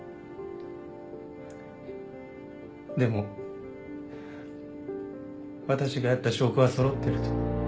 でも私がやった証拠は揃ってると。